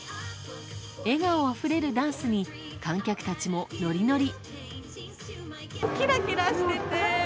笑顔あふれるダンスに観客たちもノリノリ。